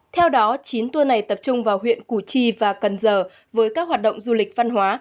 theo đó chín tour này tập trung vào huyện củ chi và cần giờ với các hoạt động du lịch văn hóa